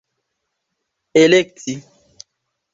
elekti